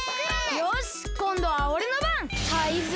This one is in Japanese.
よしこんどはおれのばん！